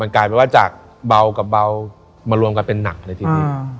กลายเป็นว่าจากเบากับเบามารวมกันเป็นหนักเลยทีนี้